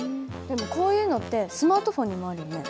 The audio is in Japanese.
でもこういうのってスマートフォンにもあるよね。